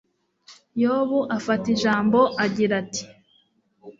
yobu afata ijambo, agira ati